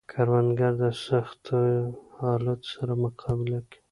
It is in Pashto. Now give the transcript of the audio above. کروندګر د سختو حالاتو سره مقابله کوي